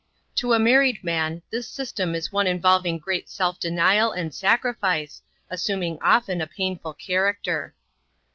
To a married man, this system is one involving great self denial and sacrifice, assuming often a painful character.